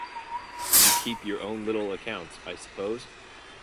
You keep your own little accounts, I suppose?